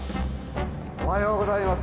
おはようございます。